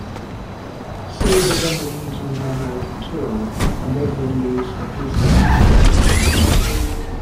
Silva then leaves on her American tour, and Edwin leaves for peacetime military duty.